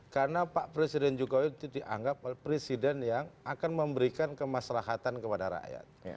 karena pak presiden jokowi itu dianggap presiden yang akan memberikan kemaslahatan kepada rakyat